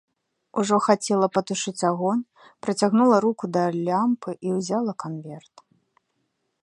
Ужо хацела патушыць агонь, працягнула руку да лямпы і ўзяла канверт.